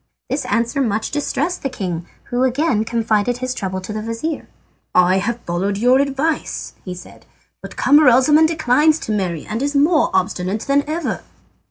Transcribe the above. This answer much distressed the king, who again confided his trouble to his vizir. "I have followed your advice," he said; "but Camaralzaman declines to marry, and is more obstinate than ever."